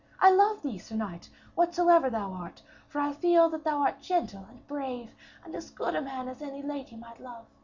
I love thee, sir knight, whatsoever thou art, for I feel that thou art gentle and brave, and as good a man as any lady might love.